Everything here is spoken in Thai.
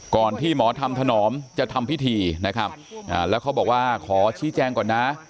ที่หมอธรรมถนอมจะทำพิธีนะครับแล้วเขาบอกว่าขอชี้แจงก่อนนะ